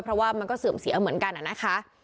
เพราะว่ามันก็เสื่อมเสียเหมือนกันนะคะ